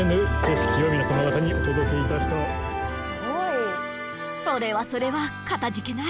すごい。それはそれはかたじけない。